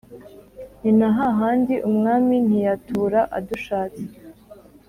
ninahandi umwami ntiyatubura adushatse